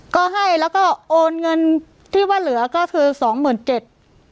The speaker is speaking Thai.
ก็ให้แล้วก็โอนเงินที่ว่าเหลือก็คือสองหมื่นเจ็ด